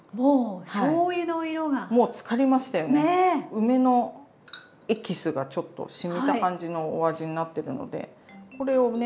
梅のエキスがちょっと染みた感じのお味になってるのでこれをね